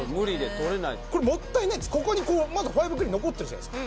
これもったいないここにまだファイブクリーン残ってるじゃないですか